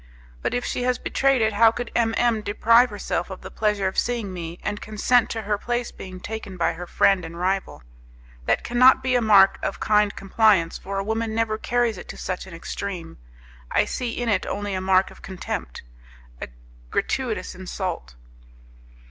But if she has betrayed it, how could M M deprive herself of the pleasure of seeing me, and consent to her place being taken by her friend and rival? That cannot be a mark of kind compliance, for a woman never carries it to such an extreme. I see in it only a mark of contempt a gratuitous insult.